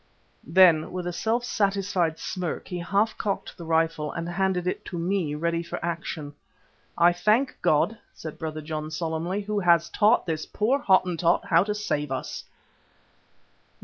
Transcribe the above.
Then with a self satisfied smirk he half cocked the rifle and handed it to me ready for action. "I thank God!" said Brother John solemnly, "who has taught this poor Hottentot how to save us."